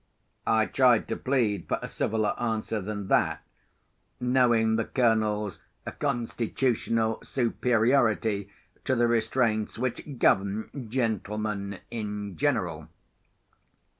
I tried to plead for a civiller answer than that; knowing the Colonel's constitutional superiority to the restraints which govern gentlemen in general.